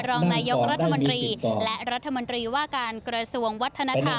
รองนายกรัฐมนตรีและรัฐมนตรีว่าการกระทรวงวัฒนธรรม